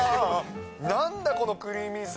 なんだ、このクリーミーさ。